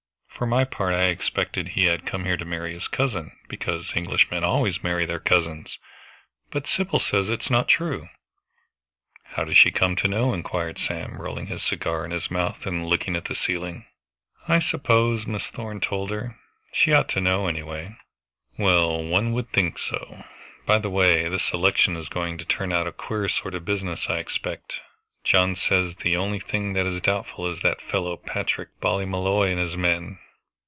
For my part I expected he had come here to marry his cousin, because Englishmen always marry their cousins. But Sybil says it is not true." "How does she come to know?" inquired Sam, rolling his cigar in his mouth and looking at the ceiling. "I suppose Miss Thorn told her. She ought to know, any way." "Well, one would think so. By the way, this election is going to turn out a queer sort of a business, I expect. John says the only thing that is doubtful is that fellow Patrick Ballymolloy and his men.